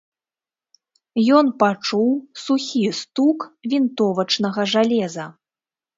Ён пачуў сухі стук вінтовачнага жалеза.